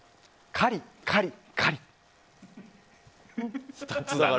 カリカリカリ。